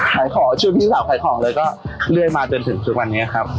ขายของช่วยพี่สาวขายของเลยก็เรื่อยมาจนถึงทุกวันนี้ครับ